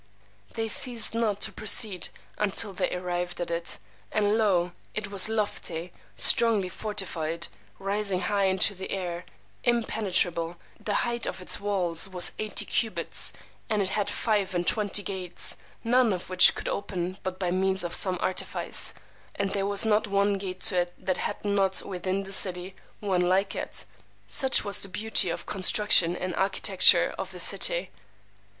They ceased not to proceed until they arrived at it; and lo, it was lofty, strongly fortified, rising high into the air, impenetrable: the height of its walls was eighty cubits, and it had five and twenty gates, none of which would open but by means of some artifice; and there was not one gate to it that had not, within the city, one like it: such was the beauty of the construction and architecture of the city.